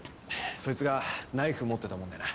そいつがナイフ持ってたもんでな。